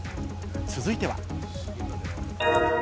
続いては。